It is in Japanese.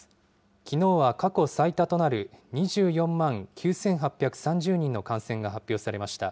きのうは過去最多となる２４万９８３０人の感染が発表されました。